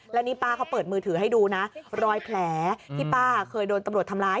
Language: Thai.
แล้วนี่ป้าเขาเปิดมือถือให้ดูนะรอยแผลที่ป้าเคยโดนตำรวจทำร้าย